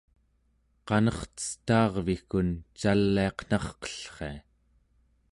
qanercetaarvigkun caliaqnarqellria